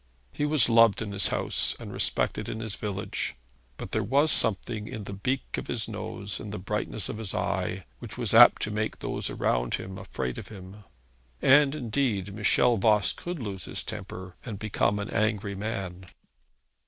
He was loved in his house and respected in his village; but there was something in the beak of his nose and the brightness of his eye which was apt to make those around him afraid of him. And indeed Michel Voss could lose his temper and become an angry man.